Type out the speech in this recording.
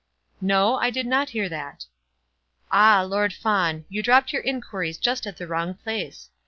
"No; I did not hear that." "Ah, Lord Fawn, you dropped your inquiries just at the wrong place.